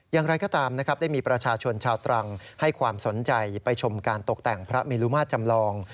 อย่างไรก็ตามนะครับได้มีประชาชนชาวตรังให้ความสนใจไปชมการตกแต่งพระเมลุมาตรจำลอง